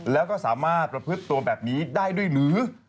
แล้วก็สามารถประพฤติตัวแบบนี้ได้ด้วยหรือ